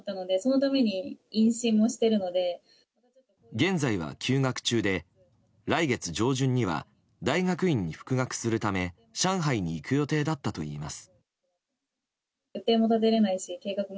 現在は休学中で来月上旬には大学院に復学するため上海に行く予定だったといいます。